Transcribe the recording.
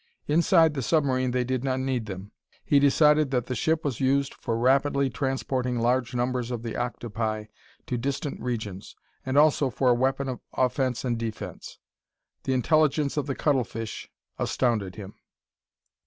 Inside the submarine they did not need them. He decided that the ship was used for rapidly transporting large numbers of the octopi to distant regions, and also for a weapon of offense and defense. The intelligence of the cuttlefish astounded him.